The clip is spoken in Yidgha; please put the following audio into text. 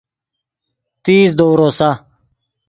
تیز دؤ روسا